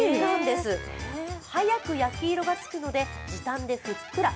早く焼き色がつくので時短でふっくら。